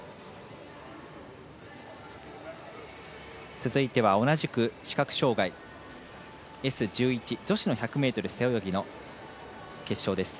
続いては、同じく視覚障がいＳ１１女子の１００ｍ背泳ぎの決勝です。